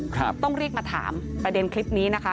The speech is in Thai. ครับต้องเรียกมาถามประเด็นคลิปนี้นะคะ